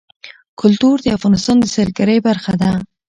کلتور د افغانستان د سیلګرۍ برخه ده.